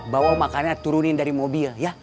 bawa makanan turunin dari mobil ya